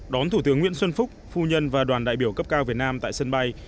đón thủ tướng nguyễn xuân phúc phu nhân và đoàn đại biểu cấp cao việt nam tại sân bay